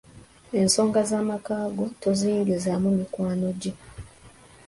Ensonga z'amaka go toziyingizaamu mikwano gye.